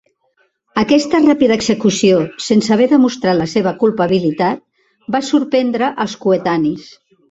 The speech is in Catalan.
Aquesta ràpida execució sense haver demostrat la seua culpabilitat va sorprendre els coetanis.